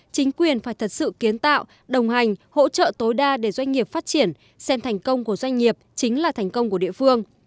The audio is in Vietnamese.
chính quyền phải thật sự kiến tạo đồng hành hỗ trợ tối đa để doanh nghiệp phát triển xem thành công của doanh nghiệp chính là thành công của địa phương